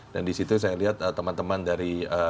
dan disitu saya lihat teman teman dari